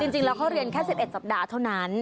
จริงแล้วเขาเรียนแค่๑๑สัปดาห์เท่านั้น